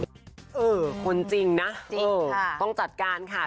เออคนจริงนะต้องจัดการค่ะ